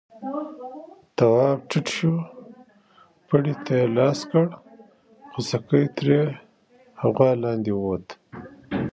تواب ټيټ شو، پړي ته يې لاس کړ، خوسکی تر غوا لاندې ووت.